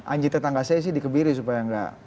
anji tetangga saya sih dikebiri supaya nggak